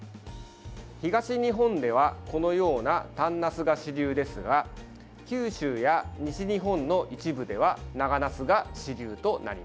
東日本ではこのような短なすが主流ですが九州や西日本の一部では長なすが主流となります。